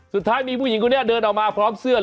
สุดท้ายมีผู้หญิงคนนี้เดินออกมาพร้อมเสื้อ